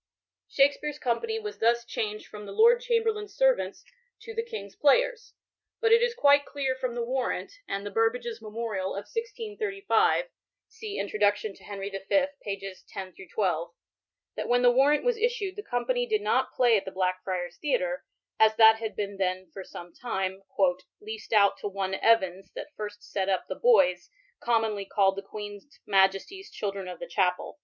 Shakspere*s company was thus changed from The Lord Chamberlain's Servants" to •*The King's Players," But it is quite clear from the Warrant, and the Burbages' Memorial of 1635 {see Introduction to Henry F., pp. 10 12,) that when the Warrant was issued, the company did not play at the Blackfriars Theatre, as that had been then for some time 'leased out to one Evans that first sett up the boyes, commonly called the Queenes Majesties Children of the Chappell."